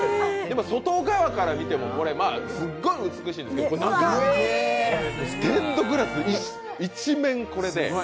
外側から見てもすっごい美しいんですけど、中がステンドグラス一面これで。